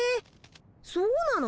そうなの？